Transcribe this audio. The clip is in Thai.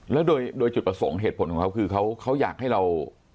แล้วโดยจุดประสงค์เหตุผลของเขาคือเขาอยากให้เรา